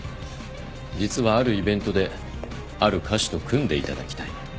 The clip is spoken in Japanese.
実はあるイベントである歌手と組んでいただきたい。